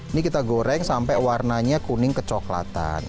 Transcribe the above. ini kita goreng sampai warnanya kuning kecoklatan